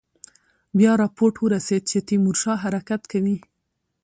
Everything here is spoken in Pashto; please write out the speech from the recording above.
بیا رپوټ ورسېد چې تیمورشاه حرکت کوي.